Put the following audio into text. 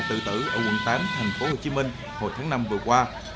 tự tử ở quận tám thành phố hồ chí minh hồi tháng năm vừa qua